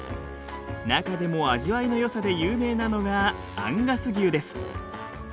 中でも味わいのよさで有名なのがアンガス牛です。